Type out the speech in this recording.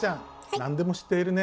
何でも知っているね。